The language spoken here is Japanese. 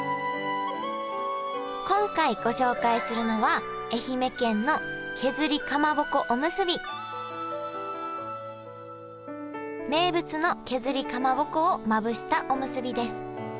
今回ご紹介するのは名物の削りかまぼこをまぶしたおむすびです。